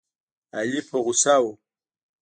علي په غوسه و.